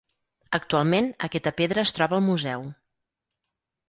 Actualment, aquesta pedra es troba al museu.